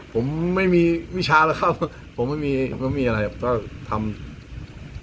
ผมไม่มีวิชาแล้วครับ